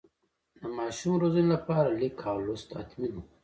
د ماشوم روزنې لپاره لیک او لوست حتمي ده.